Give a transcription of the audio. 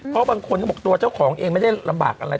เพราะบางคนก็บอกตัวเจ้าของเองไม่ได้ลำบากอะไร